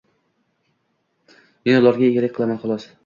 Men ularga egalik qilaman, xolos.